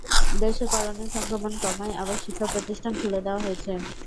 দেশে করোনা সংক্রমণ কমায় আবার শিক্ষাপ্রতিষ্ঠান খুলে দেওয়া হয়েছে।